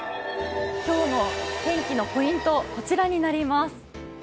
今日の天気のポイント、こちらになります。